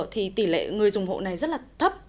thì tỷ lệ người dùng hộ này rất là thấp